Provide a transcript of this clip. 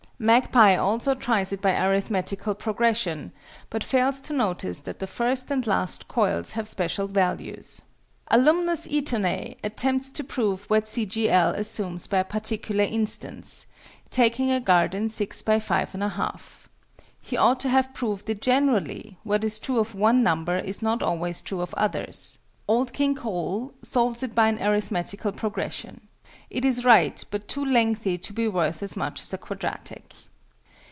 MAGPIE also tries it by Arithmetical Progression, but fails to notice that the first and last "coils" have special values. ALUMNUS ETONÆ attempts to prove what C. G. L. assumes by a particular instance, taking a garden 6 by 5 1/2. He ought to have proved it generally: what is true of one number is not always true of others. OLD KING COLE solves it by an Arithmetical Progression. It is right, but too lengthy to be worth as much as a Quadratic.